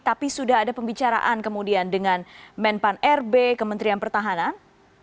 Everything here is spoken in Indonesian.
tapi sudah ada pembicaraan kemudian dengan menpan rb kementerian pertahanan